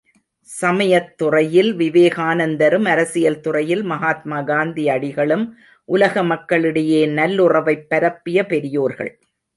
சமயத் துறையில் விவேகானந்தரும், அரசியல் துறையில் மகாத்மா காந்தி அடிகளும் உலக மக்களிடையே நல்லுறவைப் பரப்பிய பெரியோர்கள்.